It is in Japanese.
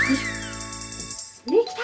できた！